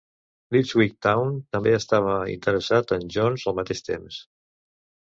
L'Ipswich Town també estava interessat en Jones al mateix temps.